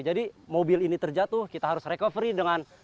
jadi mobil ini terjatuh kita harus recovery dengan